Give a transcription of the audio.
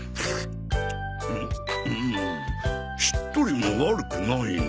うんしっとりも悪くないな。